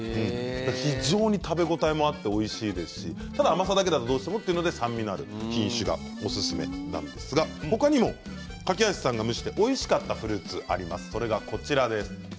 非常に食べ応えもあっておいしいですしただ甘さだけだとどうしてもということで酸味がある品種がおすすめなんですが他にも梯さんが蒸しておいしかったフルーツがあります。